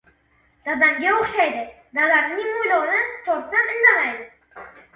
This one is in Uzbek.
Da- damga o‘xshaydi! Dadamning mo‘ylovini tortsam indamaydi.